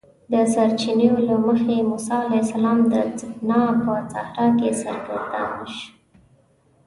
د سرچینو له مخې موسی علیه السلام د سینا په صحرا کې سرګردانه شو.